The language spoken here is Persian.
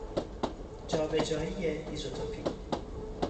جابجایی ایزوتوپی